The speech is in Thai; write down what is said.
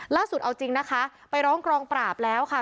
ล่าสุดเอาจริงนะคะไปร้องกองปราบแล้วค่ะ